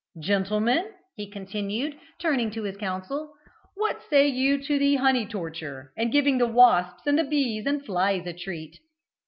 Gentlemen," he continued, turning to his council, "what say you to the honey torture, and giving the wasps and bees and flies a treat?"